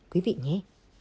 quý vị nhé